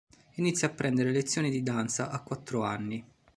Inizia a prendere lezioni di danza a quattro anni.